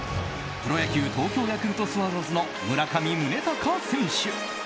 プロ野球東京ヤクルトスワローズの村上宗隆選手。